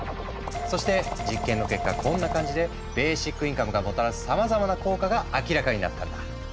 そして実験の結果こんな感じでベーシックインカムがもたらすさまざまな効果が明らかになったんだ。